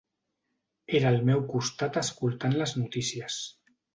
Era al meu costat escoltant les notícies.